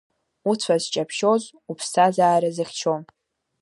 Уцәа зҷаԥшьоз, уԥсҭазаара зыхьчо!